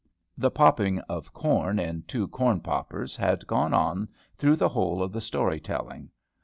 The popping of corn in two corn poppers had gone on through the whole of the story telling.